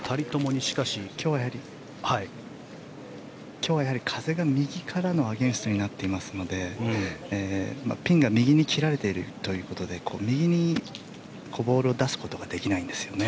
今日はやはり風が右からのアゲンストになっていますのでピンが右に切られているということで右にボールを出すことができないんですよね。